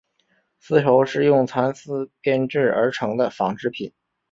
丝绸是用蚕丝编制而成的纺织品。